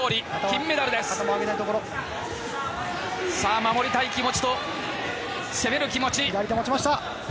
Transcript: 守りたい気持ちと攻める気持ち。